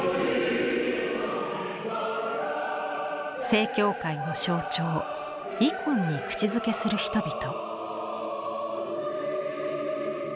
正教会の象徴イコンに口づけする人々。